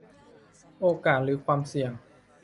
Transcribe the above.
โอกาสหรือความเสี่ยง